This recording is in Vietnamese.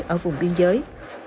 ở vùng biên giới